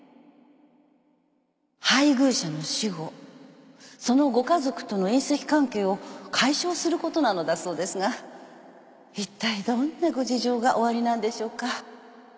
配偶者の死後そのご家族との姻戚関係を解消することなのだそうですがいったいどんなご事情がおありなんでしょうか。